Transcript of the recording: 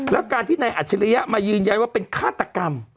แล้วการที่นายอัจฉริยะมายืนยันว่าเป็นฆาตกรรม